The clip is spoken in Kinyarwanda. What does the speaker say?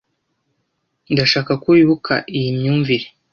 Ndashaka ko wibuka iyi myumvire.